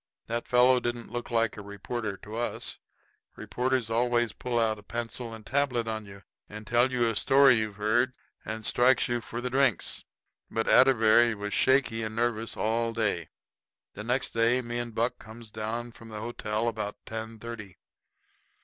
That fellow didn't look like a reporter to us. Reporters always pull out a pencil and tablet on you, and tell you a story you've heard, and strikes you for the drinks. But Atterbury was shaky and nervous all day. The next day me and Buck comes down from the hotel about ten thirty.